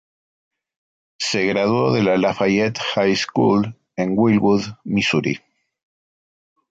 Se graduó de la Lafayette High School, en Wildwood, Misuri.